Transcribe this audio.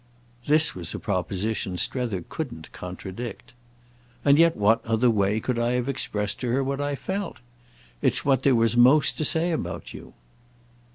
This was a proposition Strether couldn't contradict. "And yet what other way could I have expressed to her what I felt? It's what there was most to say about you."